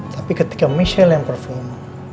tapi ketika michelle yang perform